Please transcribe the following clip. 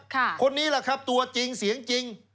คนนี้แหละครับตัวจริงเสียงจริง